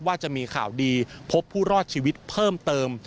ว่าจะมีข่าวดีพบผู้รอดชีวิตเพิ่มเติม